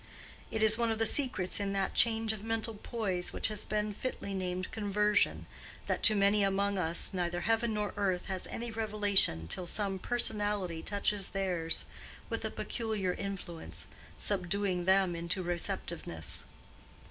It is one of the secrets in that change of mental poise which has been fitly named conversion, that to many among us neither heaven nor earth has any revelation till some personality touches theirs with a peculiar influence, subduing them into receptiveness.